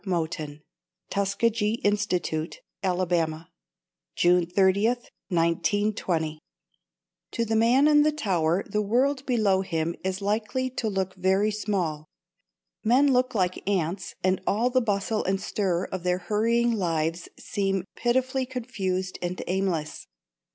MOTON TUSKEGEE INSTITUTE, ALA., June 30, 1920 To the man in the tower the world below him is likely to look very small. Men look like ants and all the bustle and stir of their hurrying lives seems pitifully confused and aimless.